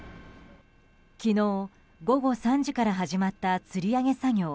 昨日午後３時から始まったつり上げ作業。